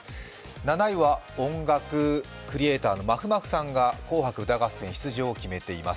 ７位は音楽クリエイターのまふまふさんが「紅白歌合戦」出場を決めています。